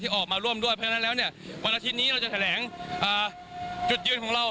ออกมาร่วมด้วยเพราะฉะนั้นแล้วเนี่ยวันอาทิตย์นี้เราจะแถลงจุดยืนของเรา